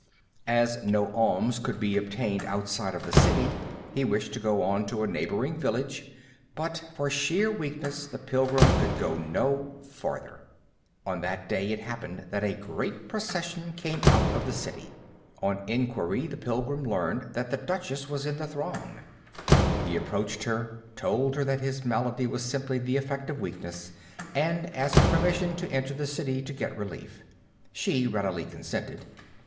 As no alms could be obtained outside of the city, he wished to go on to a neighboring village, but for sheer weakness, the pilgrim could go no farther. On that day it happened that a great procession came out of the city. On inquiry the pilgrim learned that the Duchess was in the throng. He approached her, told her that his malady was simply the effect of weakness, and asked permission to enter the city to get relief. She readily consented.